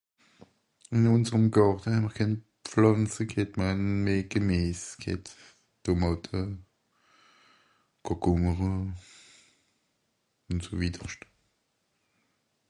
Ìn ùnserem Gàrte hää'mr kèn Pflànze ghet, mr hän meh Gemìes ghet : Tomàte, (...), ùn so witterscht.